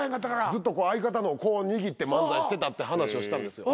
ずっと相方のをこう握って漫才してたって話をしたんですよ。